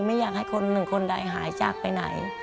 ไม่อยากให้คนหนึ่งคนใดหายจากไปไหน